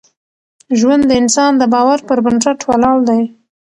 ژوند د انسان د باور پر بنسټ ولاړ دی.